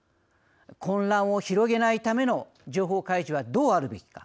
混乱を広げないための情報開示はどうあるべきか。